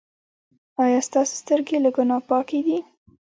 ایا ستاسو سترګې له ګناه پاکې دي؟